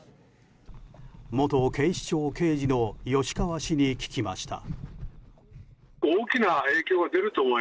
元警視庁刑事の吉川氏に聞きました。